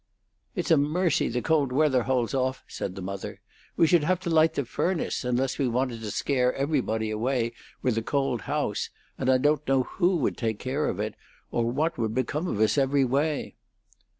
"It's a mercy the cold weather holds off," said the mother. "We should have to light the furnace, unless we wanted to scare everybody away with a cold house; and I don't know who would take care of it, or what would become of us, every way."